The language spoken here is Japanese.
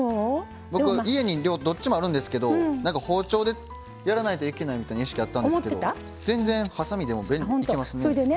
僕、家にどっちもあるんですけど包丁でやらないといけないみたいな意識があったんですけど全然、はさみでもいけますね。